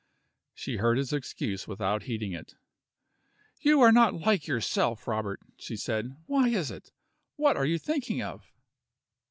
She heard his excuse without heeding it. "You are not like yourself, Robert," she said. "Why is it? What are you thinking of?"